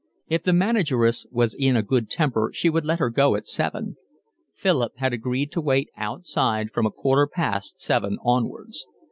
If the manageress was in a good temper she would let her go at seven. Philip had agreed to wait outside from a quarter past seven onwards.